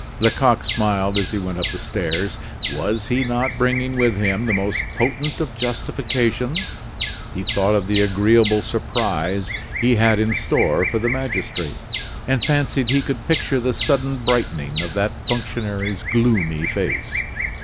Lecoq smiled as he went up the stairs. Was he not bringing with him the most potent of justifications? He thought of the agreeable surprise he had in store for the magistrate, and fancied he could picture the sudden brightening of that functionary's gloomy face.